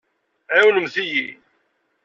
Ɛiwnemt-iyi.